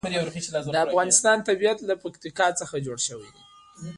د افغانستان طبیعت له پکتیکا څخه جوړ شوی دی.